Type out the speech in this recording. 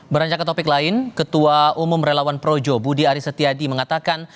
beranjak ke topik lain ketua umum relawan projo budi aris setiadi mengatakan